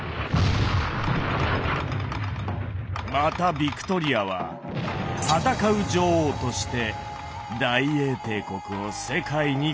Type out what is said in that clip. またヴィクトリアは戦う女王として大英帝国を世界に拡大していきます。